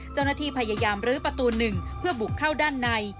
เจ้าหน้าที่พยายามลื้อประตู๑เพื่อบุกเข้าด้านใน